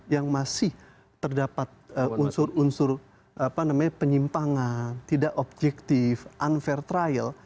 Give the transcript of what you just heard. yang masih terdapat unsur unsur penyimpangan tidak objektif unfair trial